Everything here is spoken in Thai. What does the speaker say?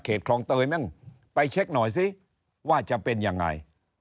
คลองเตยมั่งไปเช็คหน่อยสิว่าจะเป็นยังไง